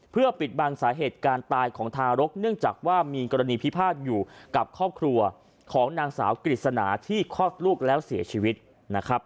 เพื่อปิดบังสาเหตุการณ์ตายของทารกเนื่องจากว่ามีกรณีพิพาทอยู่กับครอบครัวของนางสาวกฤษณาที่คลอดลูกแล้วเสียชีวิตนะครับ